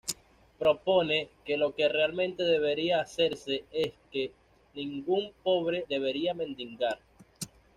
Propone que lo que realmente debería hacerse es que ningún pobre debería mendigar.